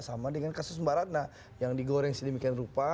sama dengan kasus mbak ratna yang digoreng sedemikian rupa